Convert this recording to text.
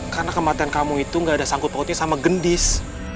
karena kematian kamu itu gak ada sangkut pautnya sama gendis